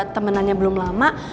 temenannya belum lama